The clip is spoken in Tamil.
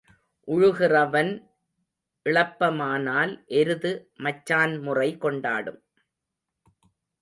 உழுகிறவன் இளப்பமானால் எருது மச்சான் முறை கொண்டாடும்.